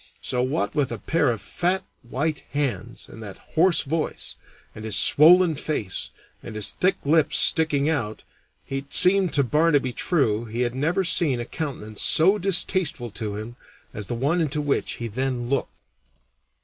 So, what with a pair of fat, white hands, and that hoarse voice, and his swollen face, and his thick lips sticking out, it seemed to Barnaby True he had never seen a countenance so distasteful to him as that one into which he then looked.